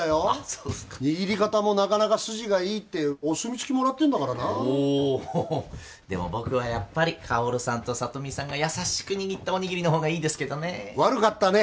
そうっすか握り方もなかなか筋がいいってお墨付きもらってんだからなおおでも僕はやっぱり香さんと聡美さんが優しく握ったおにぎりの方がいいですけどね悪かったね！